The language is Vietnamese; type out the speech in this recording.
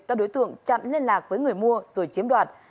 các đối tượng chặn liên lạc với người mua rồi chiếm đoạt